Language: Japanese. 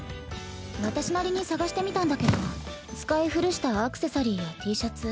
私なりに探してみたんだけど使い古したアクセサリーやＴシャツ